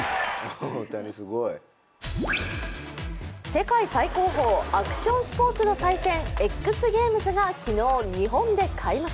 世界最高峰アクションスポーツの祭典ＸＧａｍｅｓが昨日、日本で開幕。